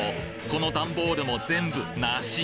この段ボールも全部梨！？